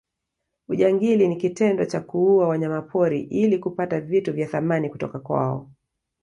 ujangili ni kitendo cha kuua wanyamapori ili kupata vitu vya thamani kutoka kwao